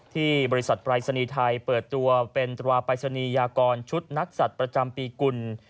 ที่บริษัทปรายศนีย์ไทยเปิดตัวเป็นตราปรายศนียากรชุดนักสัตว์ประจำปีกุล